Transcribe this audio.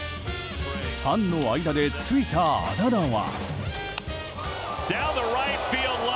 ファンの間でついたあだ名は。